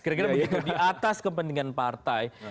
kira kira begitu di atas kepentingan partai